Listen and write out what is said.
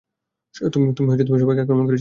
তুমি সবাইকে আক্রমণ করেছিলে।